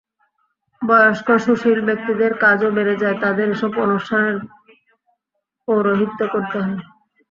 বয়স্ক সুশীল ব্যক্তিদের কাজও বেড়ে যায়, তাঁদের এসব অনুষ্ঠানের পৌরহিত্য করতে হয়।